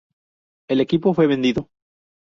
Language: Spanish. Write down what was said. El equipo fue vendido.